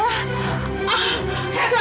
hebat kamu aksan